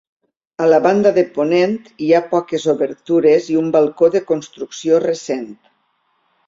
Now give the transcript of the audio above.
A la banda de ponent hi ha poques obertures i un balcó de construcció recent.